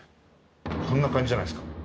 こんな感じじゃないですか。